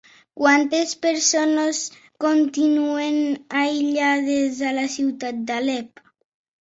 Quantes persones continuen aïllades a la ciutat d'Alep?